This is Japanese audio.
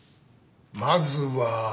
まずは。